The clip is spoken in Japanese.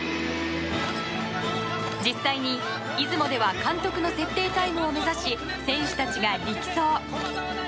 実際に、出雲では監督の設定タイムを目指し選手たちが力走。